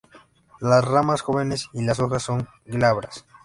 Las ramas jóvenes y las hojas son glabras.